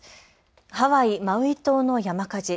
ハワイ・マウイ島の山火事。